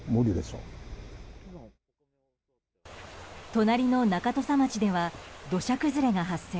隣の中土佐町では土砂崩れが発生。